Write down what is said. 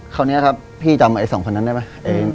คราวนี้ครับพี่จำไอ้สองคนนั้นได้ไหม